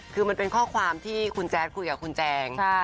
คือมันเป็นข้อความที่คุณแจ๊ดคุยกับคุณแจง